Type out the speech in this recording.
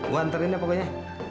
waktu ini pokoknya